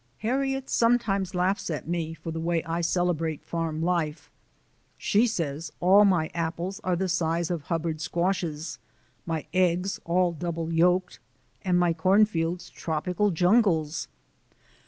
Harriet sometimes laughs at me for the way I celebrate farm life. She says all my apples are the size of Hubbard squashes, my eggs all double yolked, and my cornfields tropical jungles.